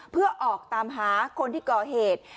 เพื่อออกตามหาคนที่ก่อเหตุ